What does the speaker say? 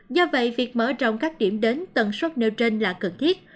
do vậy việc mở rộng các điểm đến tần suất nêu trên là cần thiết